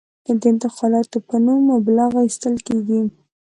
د انتقالاتو په نوم مبلغ اخیستل کېږي.